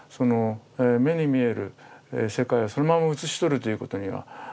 目に見える世界をそのまま写し取るということにはあまり興味がなくて。